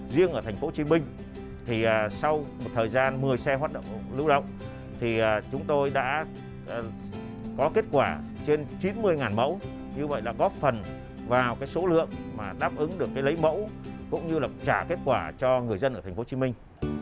riêng ở thành phố hồ chí minh thì sau một thời gian một mươi xe hoạt động lưu động thì chúng tôi đã có kết quả trên chín mươi mẫu như vậy là góp phần vào số lượng mà đáp ứng được lấy mẫu cũng như là trả kết quả cho người dân ở thành phố hồ chí minh